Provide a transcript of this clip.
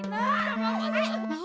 ya allah kaget mak